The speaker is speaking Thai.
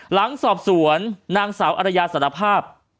หลังสอบสวนนางสาวอรยาสารภาพ